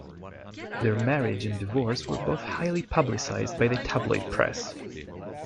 Their marriage and divorce were both highly publicised by the tabloid press.